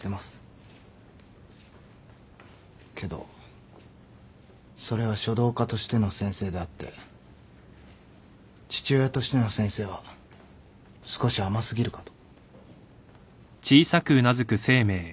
けどそれは書道家としての先生であって父親としての先生は少し甘過ぎるかと。